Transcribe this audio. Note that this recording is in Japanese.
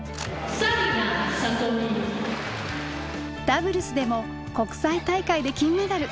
ダブルスでも国際大会で金メダル。